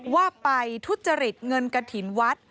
ว่าไปทุจริตเงินกระถิ่นวัด